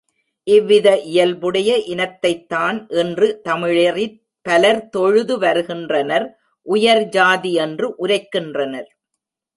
இவ்வித இயல்புடைய இனத்தைத்தான் இன்றும் தமிழரிற் பலர் தொழுது வருகின்றனர் உயர் ஜாதி என்று உரைக்கின்றனர்.